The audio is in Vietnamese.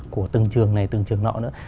của từng trường này từng trường nọ nữa